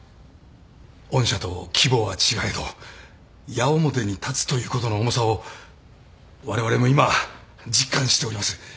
御社と規模は違えど矢面に立つということの重さをわれわれも今実感しております。